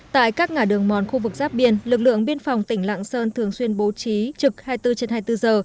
tại các ngã đường mòn khu vực giáp biên lực lượng biên phòng tỉnh lạng sơn thường xuyên bố trí trực hai mươi bốn trên hai mươi bốn giờ